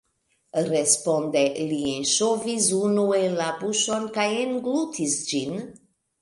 Responde li enŝovis unu en la buŝon kaj englutis ĝin.